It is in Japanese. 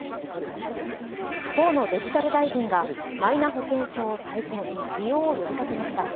河野デジタル大臣がマイナ保険証を体験、利用を呼びかけました。